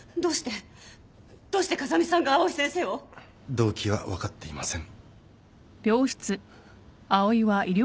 動機は分かっていません。